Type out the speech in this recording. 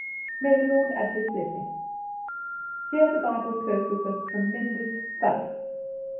May the Lord add his blessings!" Here the Bible closed with a tremendous thud.